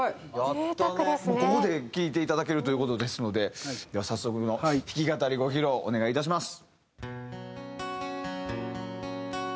ここで聴いていただけるという事ですので早速の弾き語りご披露お願いいたします。